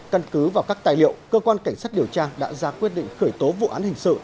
căn cứ vào các tài liệu cơ quan cảnh sát điều tra đã ra quyết định khởi tố vụ án hình sự